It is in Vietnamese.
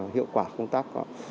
hiệu quả công tác